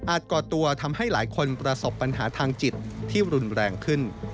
ก่อตัวทำให้หลายคนประสบปัญหาทางจิตที่รุนแรงขึ้น